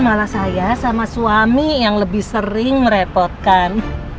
malah saya sama suami yang lebih sering merepotkan